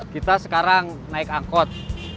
kita sekarang naik angkot